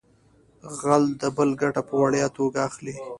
غل د بل ګټه په وړیا توګه اخلي